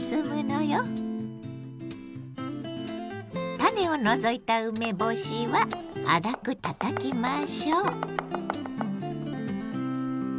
種を除いた梅干しは粗くたたきましょう。